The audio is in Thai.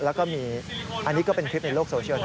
แล้วก็มีอันนี้ก็เป็นคลิปในโลกโซเชียลนะ